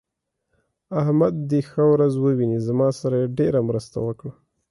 احمد دې ښه ورځ وويني؛ زما سره يې ډېره مرسته وکړه.